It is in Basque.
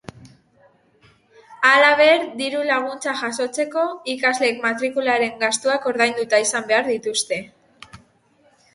Halaber, diru-laguntza jasotzeko, ikasleek matrikularen gastuak ordainduta izan behar dituzte.